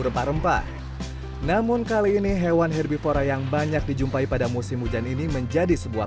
rempah rempah namun kali ini hewan herbivora yang banyak dijumpai pada musim hujan ini menjadi sebuah